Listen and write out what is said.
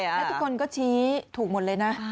แล้วทุกคนก็ชี้ถูกหมดเลยนะ